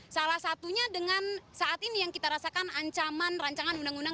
salah satunya dengan saat ini yang kita rasakan ancaman rancangan undang undang